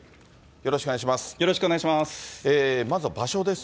よろしくお願いします。